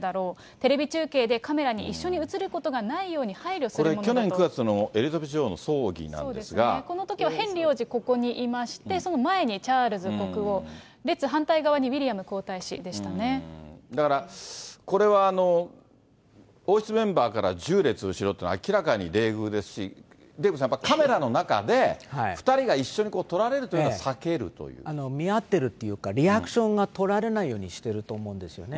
テレビ中継でカメラで一緒に映ることがないように配慮するものだ去年９月のエリザベス女王のこのときはヘンリー王子、ここにいまして、その前にチャールズ国王、列、反対側にウィリアムだからこれは、王室メンバーから１０列後ろっていうのは、明らかに冷遇ですし、デーブさん、やっぱりカメラの中で２人が一緒に撮られるというのは避けるとい見合ってるっていうか、リアクションが撮られないようにしてると思うんですよね。